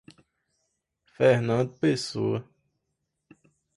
Fernando Pessoa